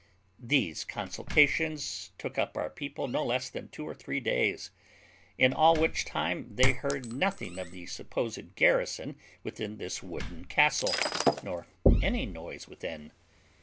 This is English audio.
These consultations took up our people no less than two or three days, in all which time they heard nothing of the supposed garrison within this wooden castle, nor any noise within.